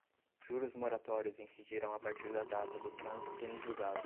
juros moratórios incidirão a partir da data do trânsito em julgado